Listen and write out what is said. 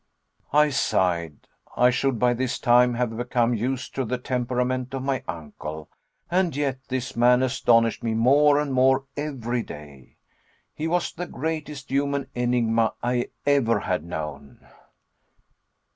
I sighed. I should by this time have become used to the temperament of my uncle, and yet this man astonished me more and more every day. He was the greatest human enigma I ever had known.